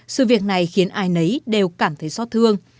sự việc này khiến ai nấy đều cảm thấy xót thương